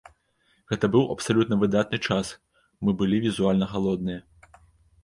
Гэта быў абсалютна выдатны час, мы былі візуальна галодныя!